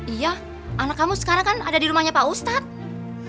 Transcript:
iya anak kamu sekarang kan ada di rumahnya pak ustadz